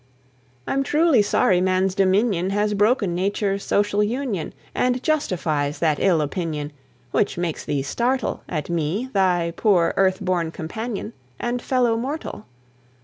I'm truly sorry man's dominion Has broken Nature's social union, And justifies that ill opinion, Which makes thee startle At me, thy poor earth born companion And fellow mortal!